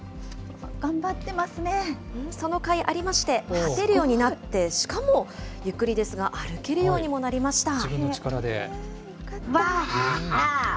そのかいありまして、立てるように、しかもゆっくりですが、歩けるようにもなりました。